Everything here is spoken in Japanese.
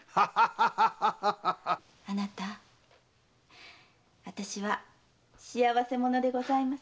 あなた私は幸せ者でございます。